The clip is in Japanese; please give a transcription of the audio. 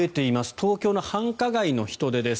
東京の繁華街の人出です。